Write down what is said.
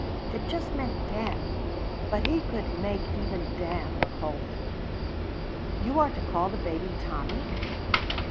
It just meant 'damn'; but he could make even 'damn' look holy." "You are to call the baby Tommy?"